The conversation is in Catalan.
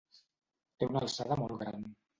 Té una alçada molt gran.